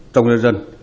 trong nhân dân